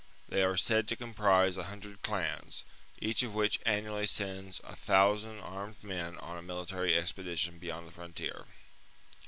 They are said to comprise a hundred clans, each of which annually sends a thousand armed men on a military expedition beyond the frontier.